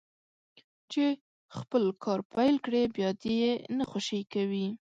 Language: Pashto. چې خپل کار پيل کړي بيا دې يې نه خوشي کوي.